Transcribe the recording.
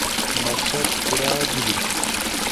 مقصد پورا بیلی